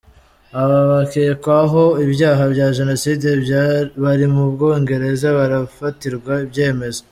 Abakekwaho ibyaha bya Jenoside bari mu Bwongereza barafatirwa ibyemezo